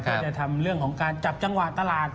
จะทำเรื่องของการจับจังหวะตลาด